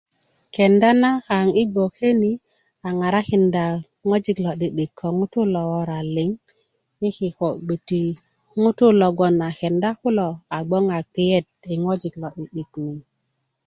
kenda na kaŋ i gboke ni a ŋarakinda ŋojik lo'di'dik ko ŋutuu lo wora liŋ i kökö gbeti ŋutuu logon a kenda kulo a gboŋ a kpiyet i ŋojik lo'di'dik liŋ